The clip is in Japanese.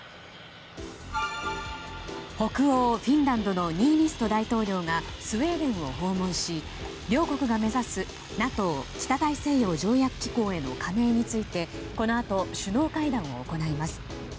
北欧フィンランドのニーニスト大統領がスウェーデンを訪問し両国が目指すＮＡＴＯ・北大西洋条約機構への加盟についてこのあと首脳会談を行います。